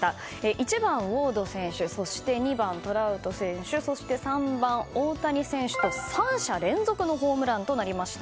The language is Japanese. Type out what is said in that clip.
１番、ウォード選手２番、トラウト選手そして３番、大谷選手と３者連続のホームランとなりました。